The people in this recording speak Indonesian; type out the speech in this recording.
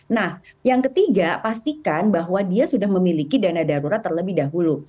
nah yang ketiga pastikan bahwa dia sudah memiliki dana darurat terlebih dahulu